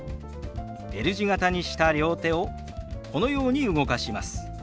Ｌ字形にした両手をこのように動かします。